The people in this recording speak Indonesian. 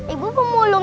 ibu pemulung yang murni